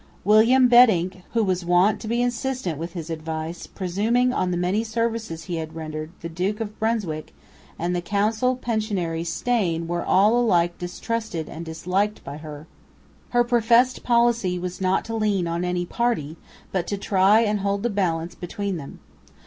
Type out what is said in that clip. William Bentinck, who was wont to be insistent with his advice, presuming on the many services he had rendered, the Duke of Brunswick, and the council pensionary Steyn were all alike distrusted and disliked by her. Her professed policy was not to lean on any party, but to try and hold the balance between them.